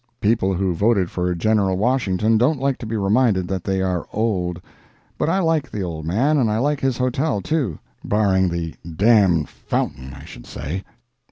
People who voted for General Washington don't like to be reminded that they are old.) But I like the old man, and I like his hotel too, barring the d barring the fountain I should say.